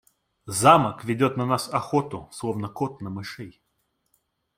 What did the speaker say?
Замок ведет на нас охоту, словно кот на мышей.